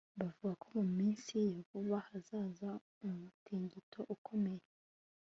bavuga ko mu minsi ya vuba hazaba umutingito ukomeye